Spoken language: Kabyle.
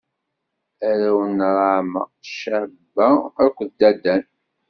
Arraw n Raɛma: Caba akked Dadan.